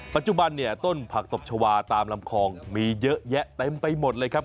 ปัจจุบันเนี่ยต้นผักตบชาวาตามลำคลองมีเยอะแยะเต็มไปหมดเลยครับ